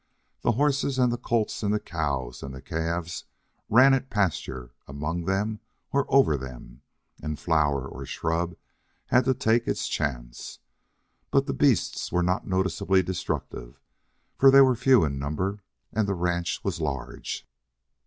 The horses and the colts and the cows and the calves ran at pasture among them or over them, and flower or shrub had to take its chance. But the beasts were not noticeably destructive, for they were few in number and the ranch was large.